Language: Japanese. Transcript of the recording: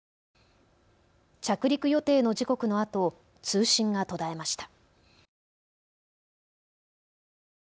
着陸予定の時刻のあと通信が途絶えました。